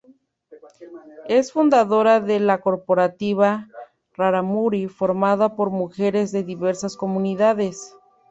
Es fundadora de la Cooperativa Rarámuri, formada por mujeres de diversas comunidades.